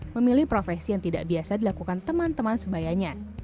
memilih profesi yang tidak biasa dilakukan teman teman sebayanya